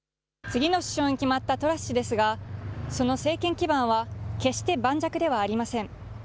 次の首相に決まったトラス氏ですが、その政権基盤は決して盤石ではありません。